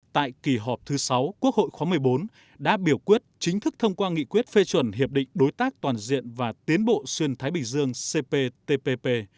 tại kỳ họp thứ sáu quốc hội khóa một mươi bốn đã biểu quyết chính thức thông qua nghị quyết phê chuẩn hiệp định đối tác toàn diện và tiến bộ xuyên thái bình dương cptpp